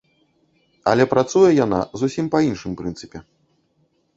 Але працуе яна зусім па іншым прынцыпе.